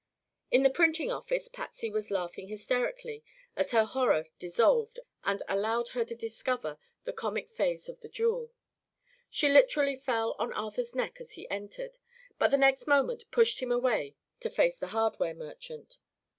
In the printing office Patsy was laughing hysterically as her horror dissolved and allowed her to discover the comic phase of the duel. She literally fell on Arthur's neck as he entered, but the next moment pushed him away to face the hardware merchant.